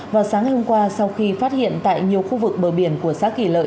vào sáng ngày hôm qua sau khi phát hiện tại nhiều khu vực bờ biển của xã kỳ lợi